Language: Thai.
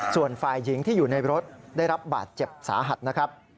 ส่วนฝ่ายหญิงที่อยู่ในรถได้รับบาดเจ็บสาหัสนะครับ